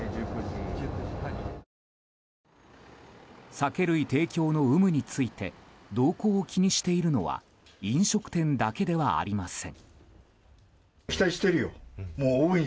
酒類提供の有無について動向を気にしているのは飲食店だけではありません。